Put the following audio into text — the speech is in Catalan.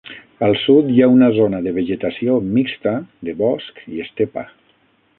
Al sud, hi ha una zona de vegetació mixta de bosc i estepa.